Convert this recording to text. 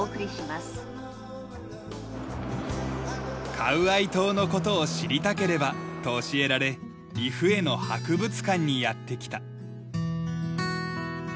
カウアイ島の事を知りたければと教えられリフエの博物館にやって来た。